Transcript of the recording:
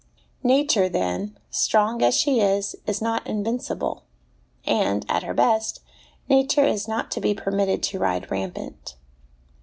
Nature then, strong as she is, is not invincible ; and, at her best, Nature is not to be permitted to ride rampant.